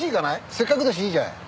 せっかくだしいいじゃない。